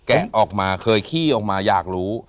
ออกมาเคยขี้ออกมาอยากรู้